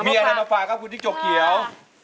มีอะไรมาฝากครับคุณที่จกเหยียว